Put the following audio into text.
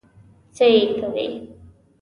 څه یې کوې؟